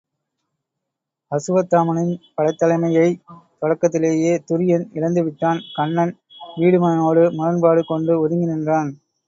அசுவத்தாமனின் படைத்தலைமை யைத் தொடக்கத்திலேயே துரியன் இழந்து விட்டான் கன்னன் வீடுமனோடு முரண்பாடு கொண்டு ஒதுங்கி நின்றான்.